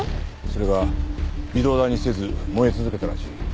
それが微動だにせず燃え続けたらしい。